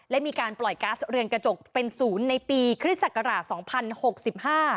และมีการปล่อยก๊าซเรือนกระจกเป็นศูนย์ในปีคริสต์ศักราช๒๐๖๕